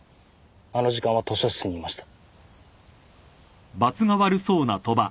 あの時間は図書室にいました。